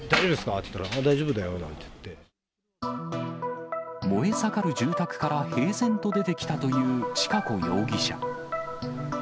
って言ったら、燃え盛る住宅から平然と出てきたという千賀子容疑者。